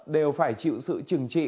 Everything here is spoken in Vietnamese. đều phải chịu sự trừng trị